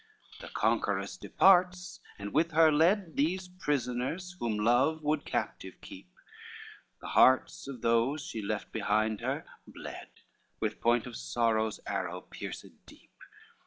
LXXIX The conqueress departs, and with her led These prisoners, whom love would captive keep, The hearts of those she left behind her bled, With point of sorrow's arrow pierced deep.